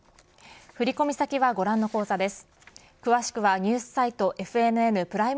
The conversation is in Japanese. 振込先はご覧の口座です。